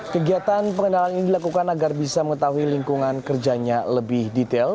kegiatan pengenalan ini dilakukan agar bisa mengetahui lingkungan kerjanya lebih detail